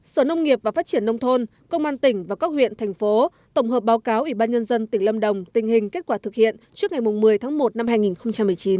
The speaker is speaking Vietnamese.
sở nông nghiệp và phát triển nông thôn công an tỉnh và các huyện thành phố tổng hợp báo cáo ủy ban nhân dân tỉnh lâm đồng tình hình kết quả thực hiện trước ngày một mươi tháng một năm hai nghìn một mươi chín